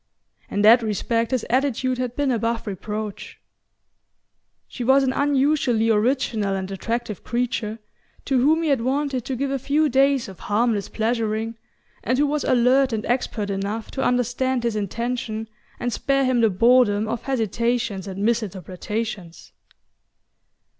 In that respect his attitude had been above reproach. She was an unusually original and attractive creature, to whom he had wanted to give a few days of harmless pleasuring, and who was alert and expert enough to understand his intention and spare him the boredom of hesitations and misinterpretations.